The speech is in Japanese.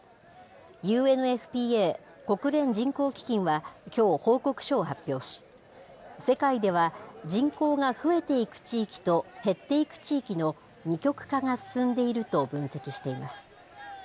ＵＮＦＰＡ・国連人口基金はきょう、報告書を発表し、世界では人口が増えていく地域と減っていく地域の二極化が進んでいると分析しています。